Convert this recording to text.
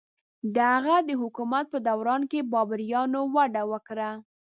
د هغه د حکومت په دوران کې بابریانو وده وکړه.